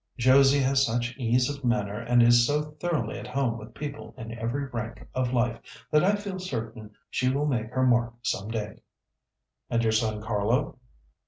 Josie has such ease of manner and is so thoroughly at home with people in every rank of life that I feel certain she will make her mark some day." "And your son Carlo?"